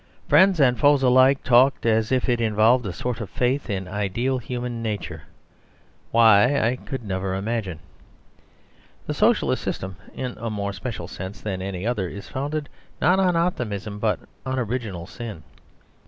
Friends and foes alike talked as if it involved a sort of faith in ideal human nature; why I could never imagine. The Socialist system, in a more special sense than any other, is founded not on optimism but on original sin.